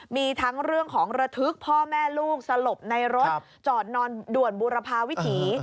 มีทั้งเรื่องของระทึกพ่อแม่ลูกสลบในรถจอดนอนด่วนบูรพาวิถี